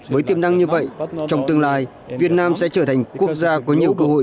với tiềm năng như vậy trong tương lai việt nam sẽ trở thành quốc gia có nhiều cơ hội